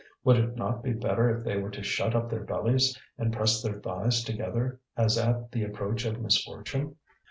Would it not be better if they were to shut up their bellies, and press their thighs together, as at the approach of misfortune?